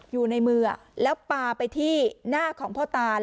อยู่ในมือแล้วปลาไปที่หน้าของพ่อตา